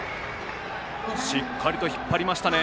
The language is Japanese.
しっかりと引っ張りましたね。